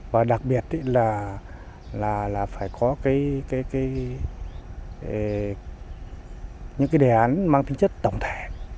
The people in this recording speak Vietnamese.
và đặc biệt là phải có những cái đề án mang tính chất tổng thể